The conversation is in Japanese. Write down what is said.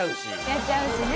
やっちゃうしね。